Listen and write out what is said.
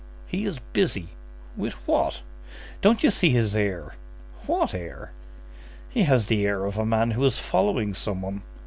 "He is busy." "With what?" "Don't you see his air?" "What air?" "He has the air of a man who is following some one."